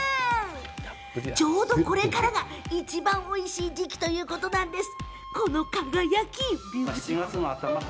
ちょうどこれからが、いちばんおいしい時期ということなんです。